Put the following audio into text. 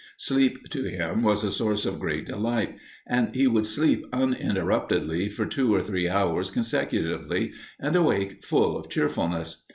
Sleep to him was a source of great delight, and he would sleep uninterruptedly for two or three hours consecutively, and awake full of cheerfulness.